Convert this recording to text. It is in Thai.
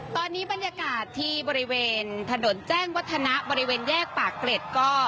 ตอนนี้บรรยากาศที่บริเวณถนนแจ้งวัฒนะบริเวณแยกปากเกร็ดก็